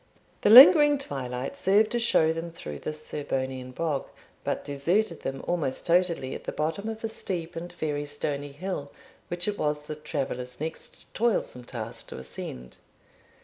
The lingering twilight served to show them through this Serbonian bog, but deserted them almost totally at the bottom of a steep and very stony hill, which it was the travellers' next toilsome task to ascend.